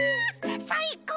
さいこう！